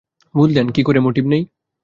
বুঝলেন কি করে, মোটিভ নেই?